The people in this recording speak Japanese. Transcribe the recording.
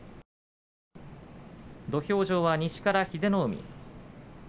土俵上は西から英乃海。